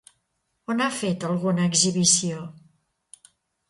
On ha fet alguna exhibició?